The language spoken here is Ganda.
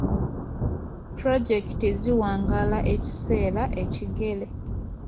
Pulojekiti ziwangaala ekiseera ekigere.